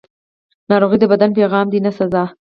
ناروغي د بدن پیغام دی، نه سزا.